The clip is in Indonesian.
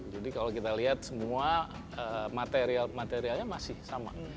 jadi kalau kita lihat semua material materialnya masih sama